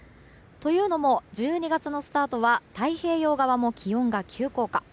というのも、１２月のスタートは太平洋側も気温が急降下。